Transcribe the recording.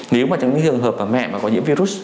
nếu mà trong những trường hợp mà mẹ mà có nhiễm virus